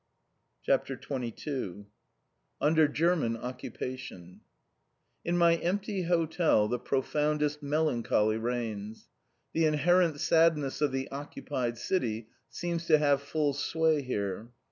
CHAPTER XXII UNDER GERMAN OCCUPATION In my empty hotel the profoundest melancholy reigns. The inherent sadness of the occupied city seems to have full sway here.